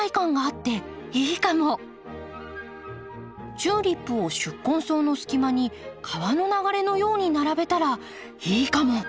チューリップを宿根草の隙間に川の流れのように並べたらいいかも！